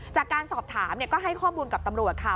จากการสอบถามก็ให้ข้อมูลกับตำรวจค่ะ